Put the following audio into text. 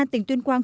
tỉnh tuyên quang